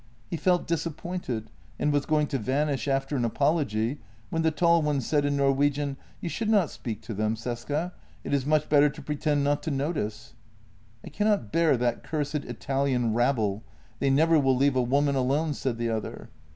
He felt disappointed and was going to vanish after an apology, when the tall one said in Norwegian: " You should not speak to them, Cesca — it is much better to pretend not to notice." " I cannot bear that cursed Italian rabble; they never will leave a woman alone," said the other.